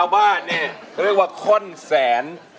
ร้องด้ายก็เรียกว่าฆ่นแสน